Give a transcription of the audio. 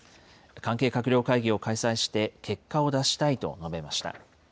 関係閣僚会議を開催して結果を出したいと述べました。